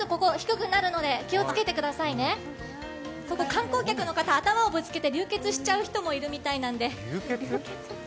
観光客の方、頭をぶつけて流血しちゃう人もいるそうなんです。